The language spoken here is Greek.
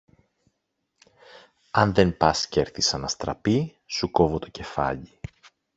Αν δεν πας κι έρθεις σαν αστραπή, σου κόβω το κεφάλι!